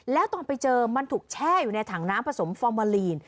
แล้วตอนไปเจอมันถูกแช่อยู่ในถังน้ำผสมฟอร์มาลีน